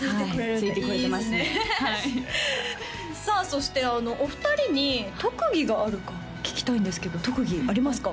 ついてこれてますねはいさあそしてお二人に特技があるか聞きたいんですけど特技ありますか？